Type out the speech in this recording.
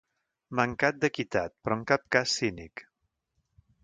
Mancat d'equitat, però en cap cas cínic.